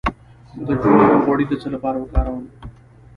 د جوارو غوړي د څه لپاره وکاروم؟